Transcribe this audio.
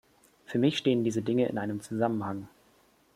Für mich stehen diese Dinge in einem Zusammenhang.